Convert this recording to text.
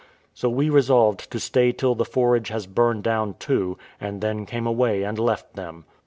So we resolved to stay till the forage has burned down too, and then came away and left them.